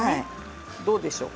どうでしょう？